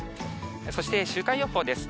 そして週間予報です。